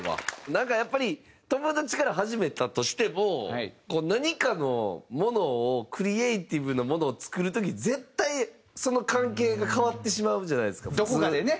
なんかやっぱり友達から始めたとしても何かのものをクリエーティブなものを作る時絶対その関係が変わってしまうじゃないですか普通。